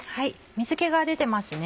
水気が出てますね。